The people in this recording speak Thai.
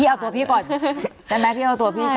เอาตัวพี่ก่อนได้ไหมพี่เอาตัวพี่ก่อน